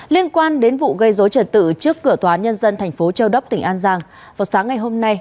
liên quan đến vụ gây dối trật tự trước cửa tòa nhân dân thành phố châu đốc tỉnh an giang vào sáng ngày hôm nay